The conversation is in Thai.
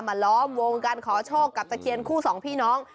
ล้อมวงการขอโชคกับตะเคียนคู่สองพี่น้อง